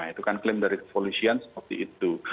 itu kan klaim dari kepolisian seperti itu